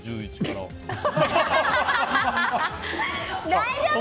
大丈夫？